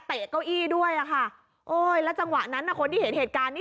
เก้าอี้ด้วยอ่ะค่ะโอ้ยแล้วจังหวะนั้นน่ะคนที่เห็นเหตุการณ์นี้